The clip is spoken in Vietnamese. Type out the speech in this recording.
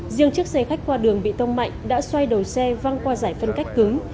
riêng chiếc xe khách qua đường bị tông mạnh đã xoay đầu xe văng qua giải phân cách cứng